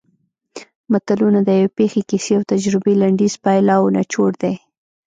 متلونه د یوې پېښې کیسې او تجربې لنډیز پایله او نچوړ دی